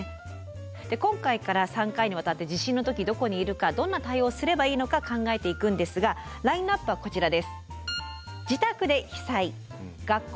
今回から３回にわたって地震の時どこにいるかどんな対応をすればいいのか考えていくんですがラインナップはこちらです。